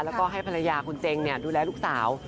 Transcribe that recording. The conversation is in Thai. แล้วก็ให้ภรรยาคุณเจงดูแลลูกสาว